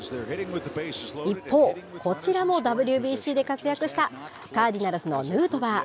一方、こちらもＷＢＣで活躍した、カーディナルスのヌートバー。